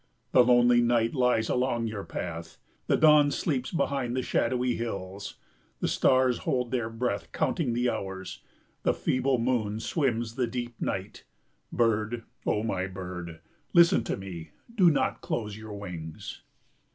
The lone night lies along your path, the dawn sleeps behind the shadowy hills. The stars hold their breath counting the hours, the feeble moon swims the deep night. Bird, O my bird, listen to me, do not close your wings.